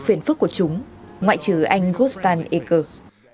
và sự hạnh phúc của chúng ngoại trừ anh gostan eker